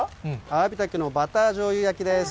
アワビタケのバターじょうゆ焼きです。